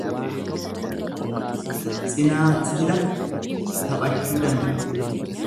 Tsinaathila taphachuu danda'a